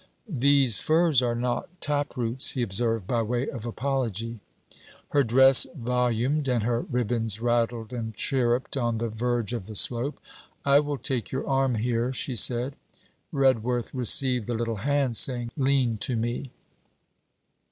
'These firs are not taproots,' he observed, by way of apology. Her dress volumed and her ribands rattled and chirruped on the verge of the slope. 'I will take your arm here,' she said. Redworth received the little hand, saying: 'Lean to me.'